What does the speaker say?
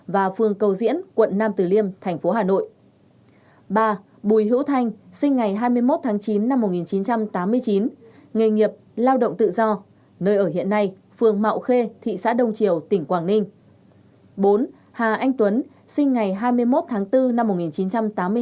bốn hà anh tuấn sinh ngày hai mươi một tháng bốn năm một nghìn chín trăm tám mươi hai nghề nghiệp lao động tự do nơi ở hiện nay phường mạo khê thị xã đông triều tỉnh quảng ninh